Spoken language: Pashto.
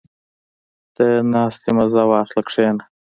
• د ناستې مزه واخله، کښېنه.